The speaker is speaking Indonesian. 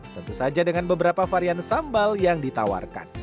tentu saja dengan beberapa varian sambal yang ditawarkan